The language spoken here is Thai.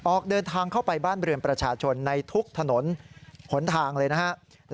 ออกเดินทางเข้าไปบ้านเรือนประชาชนในทุกถนนหนทางเลยนะครับ